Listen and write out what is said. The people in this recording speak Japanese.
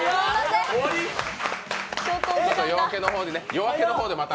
「夜明け」の方でまた。